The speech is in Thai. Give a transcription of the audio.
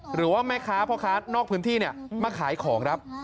หรือว่าแม่ค้าพ่อค้านอกพื้นที่มาขายของครับ